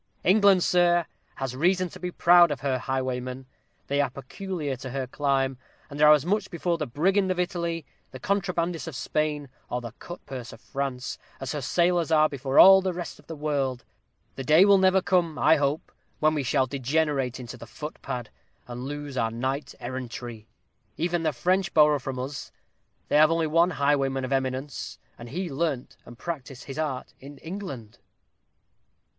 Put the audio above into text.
England, sir, has reason to be proud of her highwaymen. They are peculiar to her clime, and are as much before the brigand of Italy, the contrabandist of Spain, or the cut purse of France as her sailors are before all the rest of the world. The day will never come, I hope, when we shall degenerate into the footpad, and lose our Night Errantry. Even the French borrow from us they have only one highwayman of eminence, and he learnt and practised his art in England."